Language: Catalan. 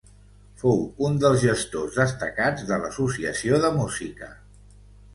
Fou un dels gestors destacats de l'Associació de Música.